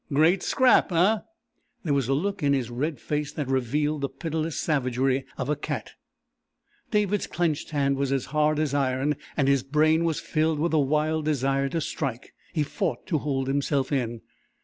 "Great scrap, eh?" There was a look in his red face that revealed the pitiless savagery of a cat. David's clenched hand was as hard as iron and his brain was filled with a wild desire to strike. He fought to hold himself in.